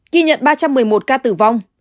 ghi nhận ba trăm một mươi một ca tử vong